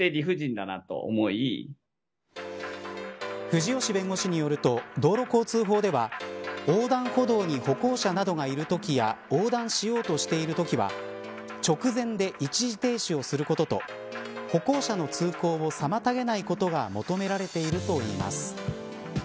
藤吉弁護士によると道路交通法では、横断歩道に歩行者などがいるときや横断しようとしているときは直前で一時停止をすることと歩行者の通行を妨げないことが求められているといいます。